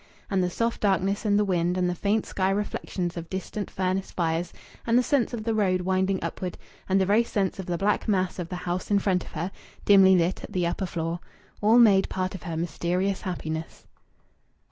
And the soft darkness and the wind, and the faint sky reflections of distant furnace fires, and the sense of the road winding upward, and the very sense of the black mass of the house in front of her (dimly lighted at the upper floor) all made part of her mysterious happiness.